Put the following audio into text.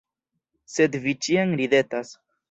Sed Vi ĉiam ridetas.